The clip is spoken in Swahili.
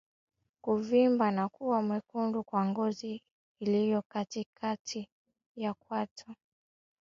Kuvimba na kuwa na wekundu kwa ngozi iliyo katikati ya kwato